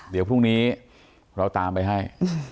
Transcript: เดี๋ยวพรุ่งนี้เราตามไปให้